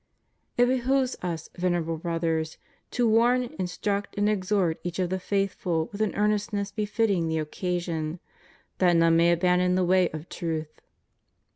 It behooves Us, Venerable Brothers, to warn, instruct, and exhort each of the faithful with an earnestness befitting the occasion: that none may abandon the ivay of truth.